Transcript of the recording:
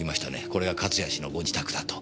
これが勝谷氏のご自宅だと。